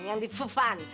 yang di fufan